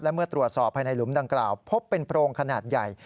เมื่อตรวจสอบภายในหลุมดังกล่าวพบเป็นโพรงขนาดใหญ่